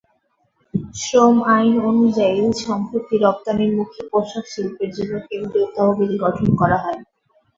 শ্রম আইন অনুযায়ী সম্প্রতি রপ্তানিমুখী পোশাকশিল্পের জন্য কেন্দ্রীয় তহবিল গঠন করা হয়।